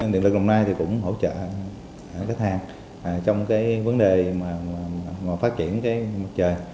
điện lực đồng nai cũng hỗ trợ khách hàng trong vấn đề phát triển mặt trời